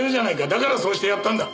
だからそうしてやったんだ。